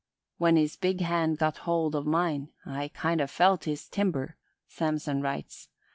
"When his big hand got hold of mine, I kind of felt his timber," Samson writes.